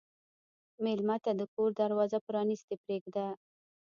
مېلمه ته د کور دروازه پرانستې پرېږده.